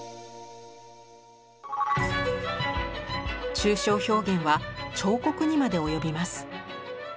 抽象表現は彫刻にまで及びます。